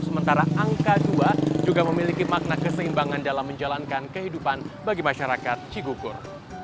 sementara angka dua juga memiliki makna keseimbangan dalam menjalankan kehidupan bagi masyarakat cigugur